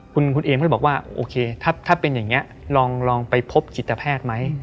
คุณเอมก็เลยบอกว่าโอเคถ้าเป็นอย่างนี้ลองไปพบจิตแพทย์ไหม